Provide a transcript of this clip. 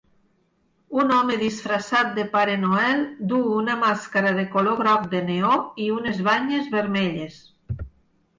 Un home disfressat de Pare Noel duu una màscara de color groc de neó i unes banyes vermelles.